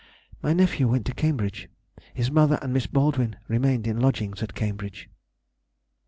_—My nephew went to Cambridge. His mother and Miss Baldwin remained in lodgings at Cambridge.